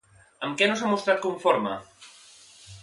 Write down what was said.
Amb què no s'ha mostrat conforme?